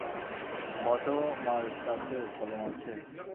বতোমারটাতেও কলম আছে?